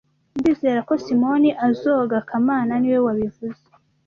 Ndizera ko Simoni azoga kamana niwe wabivuze